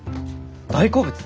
大好物？